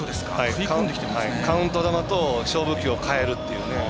カウント球と勝負球を変えるっていう。